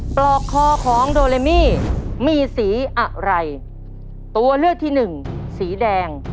ปลอกคอของโดเลมี่มีสีอะไรตัวเลือกที่หนึ่งสีแดง